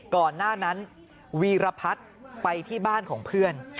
ก่อนหน้านั้นวีรพัฒน์ไปที่บ้านของเพื่อน